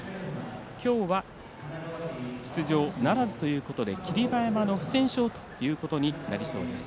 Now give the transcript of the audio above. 今日は出場ならずということで霧馬山の不戦勝ということになりそうです。